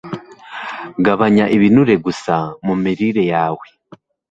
gabanya ibinure gusa mu mirire yawe